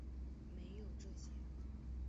没有这些